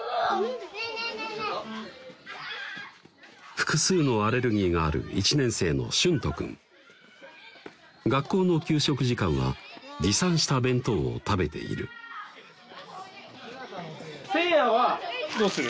複数のアレルギーがある１年生の学校の給食時間は持参した弁当を食べているせいやはどうする？